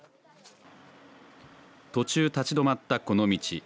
途中、立ち止まったこの道。